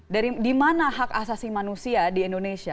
dari dimana hak asasi manusia di indonesia